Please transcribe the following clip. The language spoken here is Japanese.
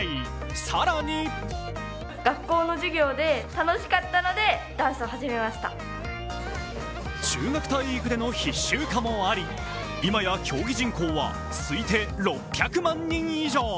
更に中学体育での必修化もあり今や競技人口は推定６００万人以上。